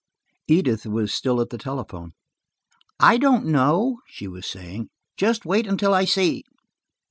Edith was still at the telephone. "I don't know," she was saying. "Just wait until I see."